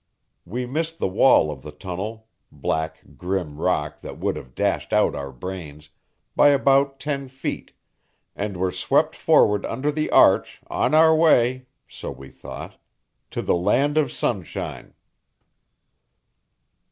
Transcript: We missed the wall of the tunnel black, grim rock that would have dashed out our brains by about ten feet, and were swept forward under the arch, on our way so we thought to the land of sunshine.